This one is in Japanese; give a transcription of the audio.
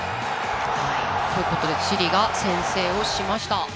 ということでチリが先制しました。